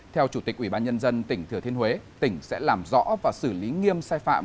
theo chủ tịch ủy ban nhân dân tỉnh thừa thiên huế tỉnh sẽ làm rõ và xử lý nghiêm sai phạm